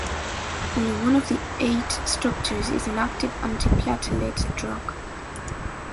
Only one of the eight structures is an active antiplatelet drug.